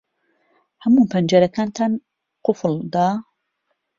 ھەموو پەنجەرەکانتان قوفڵ دا؟